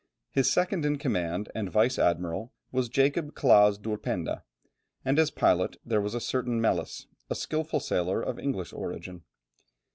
His second in command and vice admiral was Jacob Claaz d'Ulpenda, and as pilot there was a certain Melis, a skilful sailor of English origin.